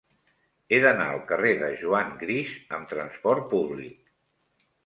He d'anar al carrer de Juan Gris amb trasport públic.